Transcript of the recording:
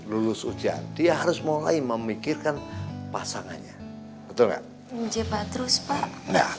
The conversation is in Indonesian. lulus ujian dia harus mulai memikirkan pasangannya betul nggak pak terus pak enggak